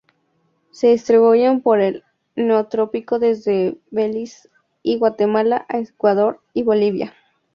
Se distribuyen por el Neotrópico desde Belize y Guatemala a Ecuador y Bolivia.